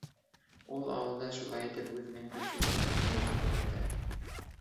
Ул ауылда шулай итеп үҙенең көсөн, өҫтөнлөгөн күрһәтә.